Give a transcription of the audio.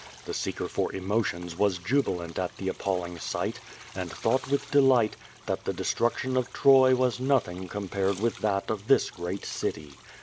The seeker for emotions was jubilant at the appalling sight, and thought with delight, that the destruction of Troy was nothing compared with that of this great city.